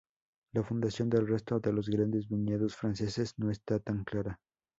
La fundación del resto de los grandes viñedos franceses no está tan clara.